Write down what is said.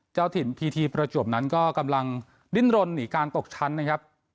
เจ้าถิ่นพีทีประจวบนั้นก็กำลังดิ้นรนหนีการตกชั้นนะครับ